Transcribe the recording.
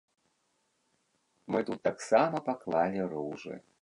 Мы тут таксама паклалі ружы.